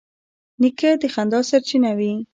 نیکه د خندا سرچینه وي.